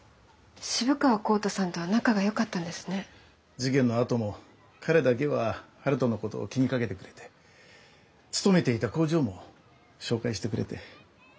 事件のあとも彼だけは晴登のことを気に掛けてくれて勤めていた工場も紹介してくれて。